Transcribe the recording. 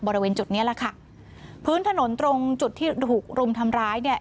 บริเวณจุดเนี้ยแหละค่ะพื้นถนนตรงจุดที่ถูกรุมทำร้ายเนี่ย